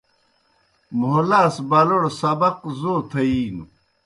مُھلاس بلوڑ سبق زو تھیِینوْ۔